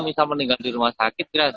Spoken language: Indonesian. misal meninggal di rumah sakit